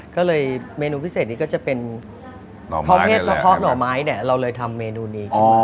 ก็เลยเมนูพิเศษนี้ก็จะเป็นเพราะเพศพระเพาะหน่อไม้เนี่ยเราเลยทำเมนูนี้